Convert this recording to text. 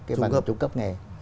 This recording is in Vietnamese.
cái bằng trung cấp nghề